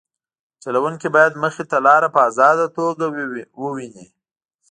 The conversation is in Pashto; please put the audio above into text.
چلوونکی باید مخې ته لاره په ازاده توګه وویني